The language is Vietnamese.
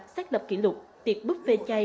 xác lập kỷ lục tiệc bức phê chay